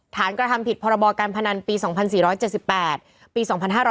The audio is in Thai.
กระทำผิดพรบการพนันปี๒๔๗๘ปี๒๕๕๙